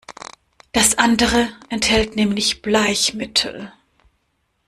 Das andere enthält nämlich Bleichmittel.